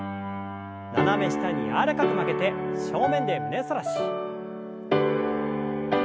斜め下に柔らかく曲げて正面で胸反らし。